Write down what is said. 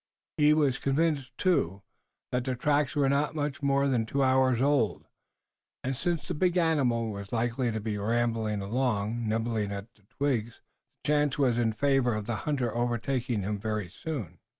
He was convinced, too, that the tracks were not much more than two hours old, and since the big animal was likely to be rambling along, nibbling at the twigs, the chance was in favor of the hunter overtaking him very soon.